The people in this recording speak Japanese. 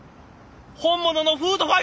本物のフードファイターだ！